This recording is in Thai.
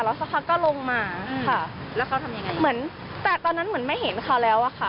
แล้วสักพักก็ลงมาค่ะแล้วเขาทำยังไงเหมือนแต่ตอนนั้นเหมือนไม่เห็นเขาแล้วอะค่ะ